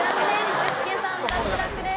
具志堅さん脱落です。